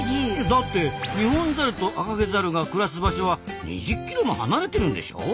だってニホンザルとアカゲザルが暮らす場所は２０ｋｍも離れてるんでしょう？